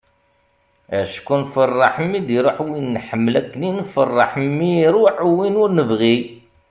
acku nfeṛṛeḥ mi d-iruḥ win nḥemmel akken i nfeṛṛeḥ mi iruḥ win ur nebɣi